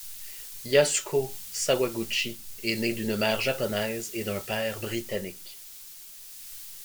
Yasuko Sawaguchi est née d'une mère japonaise et d'un père britannique.